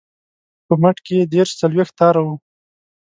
په مټ کې یې دېرش څلویښت تاره وه.